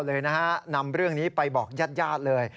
เลยนะฮะนำเรื่องนี้ไปบอกญาติญาติเลย